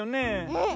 うん。